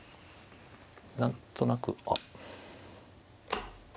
何となくあっ。